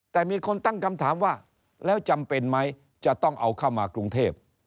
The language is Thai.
แต่มีคนตั้งคำถามว่าแล้วจำเป็นไหมจะต้องเอาเข้ามากรุงเทพ